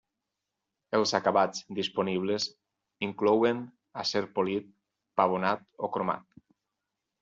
Els acabats disponibles inclouen acer polit pavonat o cromat.